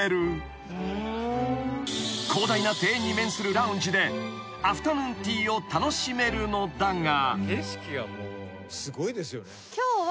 ［広大な庭園に面するラウンジでアフタヌーンティーを楽しめるのだが］